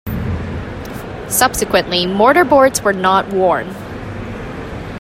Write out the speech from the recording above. Subsequently, mortarboards were not worn.